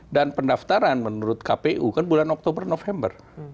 dan pendaftaran menurut kpu kan bulan oktober november